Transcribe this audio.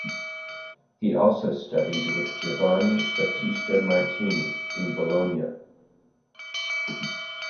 He also studied with Giovanni Battista Martini, in Bologna.